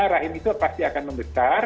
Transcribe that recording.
model rahin itu pasti akan membesar